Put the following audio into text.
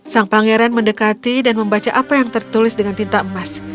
sang pangeran mendekati dan membaca apa yang tertulis dengan tinta emas